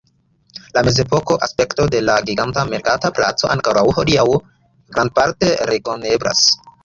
La mezepoka aspekto de la giganta merkata placo ankoraŭ hodiaŭ grandparte rekoneblas.